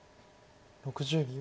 ６０秒。